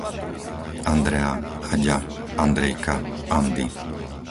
Andrea, Aďa, Andrejka, Andy